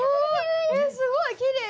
えっすごいきれい！